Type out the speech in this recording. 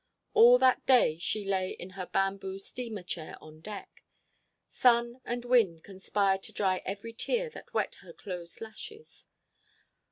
All that day she lay in her bamboo steamer chair on deck. Sun and wind conspired to dry every tear that wet her closed lashes.